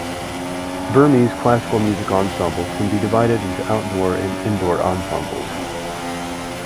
Burmese classical music ensembles can be divided into outdoor and indoor ensembles.